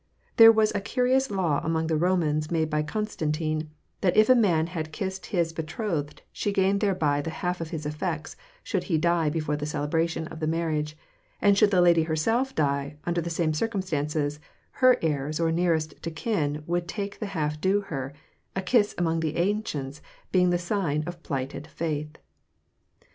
There was a curious law among the Romans made by Constantine; that, if a man had kissed his betrothed she gained thereby the half of his effects should he die before the celebration of the marriage; and should the lady herself die, under the same circumstances, her heirs or nearest to kin would take the half due her, a kiss among the ancients being the sign of plighted faith.